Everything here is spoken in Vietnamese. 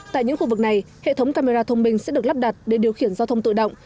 tại những khu vực này hệ thống camera thông minh sẽ được lắp đặt để điều khiển giao thông tự động